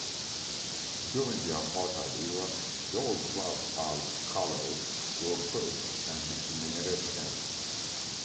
During the apartheid era, those classed as "Coloured" were oppressed and discriminated against.